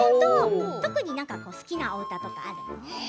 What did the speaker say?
特に好きなお歌とかあるの？